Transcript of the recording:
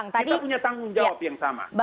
kita punya tanggung jawab yang sama